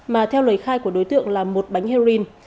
mà theo lời khai của đối tượng là một bánh heroin